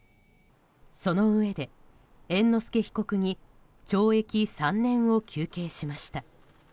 そのうえで、猿之助被告に懲役３年を求刑しました。